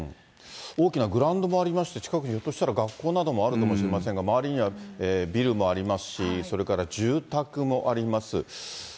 大きなグラウンドもありますね、近くにひょっとしたら学校などもあるかもしれませんが、周りにはビルもありますし、それから住宅もあります。